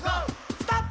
「ストップ！」